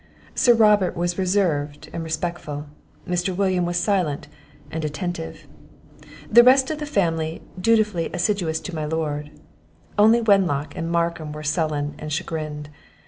Sir Robert was reserved and respectful; Mr. William was silent and attentive; the rest of the family dutifully assiduous to my Lord; only Wenlock and Markham were sullen and chagrined.